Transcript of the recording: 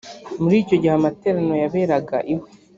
muri icyo gihe amateraniro yaberaga iwe.